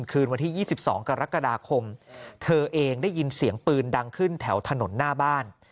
คืนวันที่๒๒กรกฎาคมเธอเองได้ยินเสียงปืนดังขึ้นแถวถนนหน้าบ้าน